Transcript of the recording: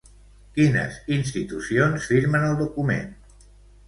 Quines institucions firmen el document?